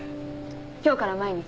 今日から毎日。